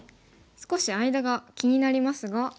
少し間が気になりますが。